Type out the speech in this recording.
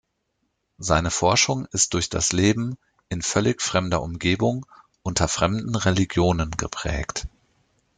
Seine Forschung ist durch das Leben in völlig fremder Umgebung unter fremden Religionen geprägt.